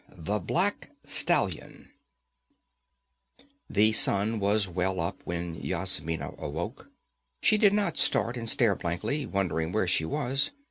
5 The Black Stallion The sun was well up when Yasmina awoke. She did not start and stare blankly, wondering where she was.